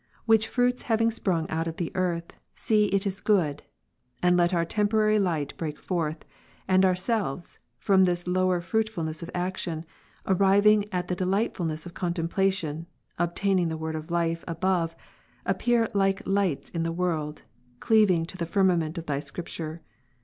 Which fruits having sprung out of the earth, see it is good: and let our temporary light break forth ;^^"^> and ourselves, from this lower fruitfulness of action, arriving is. 58, at the delightfulness of contemplation, obtaining the Word ^• of Life above, appear like lights in the ivorld, cleaving to the Phil. 2, firmament of Thy Scripture.